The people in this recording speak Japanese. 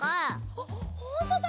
あっほんとだ！